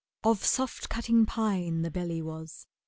Of soft cutting pine The belly was.